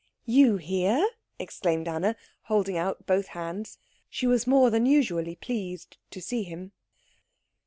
"You here?" exclaimed Anna, holding out both hands. She was more than usually pleased to see him.